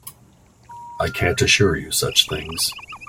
I can't assure you such things.